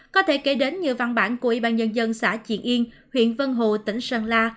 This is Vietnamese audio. có thể kể đến như văn bản của ybnd xã triện yên huyện vân hồ tỉnh sơn la